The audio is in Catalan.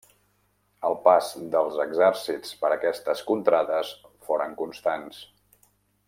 El pas dels exèrcits per aquestes contrades foren constants.